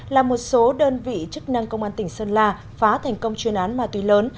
là một số đơn vị chức năng công an tỉnh sơn la phá thành công chuyên án ma túy lớn